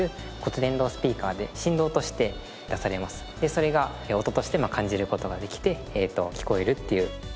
それが音として感じる事ができて聞こえるっていう。